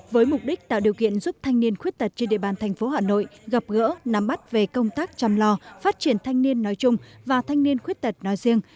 với mục đích tạo điều kiện giúp thanh niên khuyết tật trên địa bàn thành phố hà nội gặp gỡ nắm bắt về công tác chăm lo phát triển thanh niên nói chung và thanh niên khuyết tật nói riêng